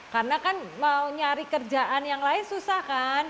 karena kan mau nyari kerjaan yang lain susah kan